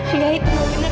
enggak itu gak bener